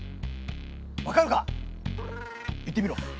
わかるか⁉言ってみろ。